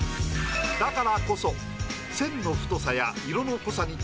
だからこそ。